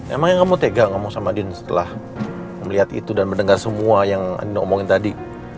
emang ya kamu tega ngomong sama andin setelah melihat itu dan mendengar semua yang andin omongin tadi